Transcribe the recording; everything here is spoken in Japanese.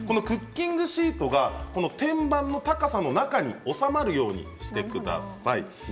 クッキングシートは天板の高さの中に収まるようにしてください。